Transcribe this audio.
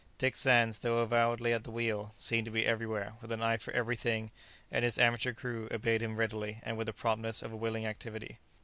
Dick Sands, though avowedly at the wheel, seemed to be everywhere, with an eye for every thing, and his amateur crew obeyed him readily, and with the promptness of a willing activity.